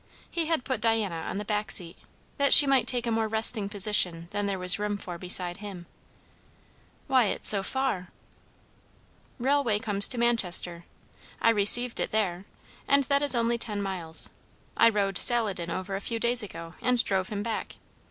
He had put Diana on the back seat, that she might take a more resting position than there was room for beside him. "Why, it's so far." "Railway comes to Manchester. I received it there, and that is only ten miles. I rode Saladin over a few days ago, and drove him back.